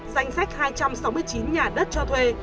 danh sách hai trăm sáu mươi chín nhà đất cho thuê